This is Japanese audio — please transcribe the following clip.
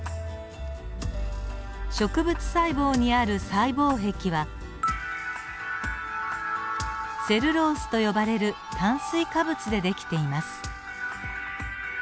植物細胞にある細胞壁はセルロースと呼ばれる炭水化物で出来ています。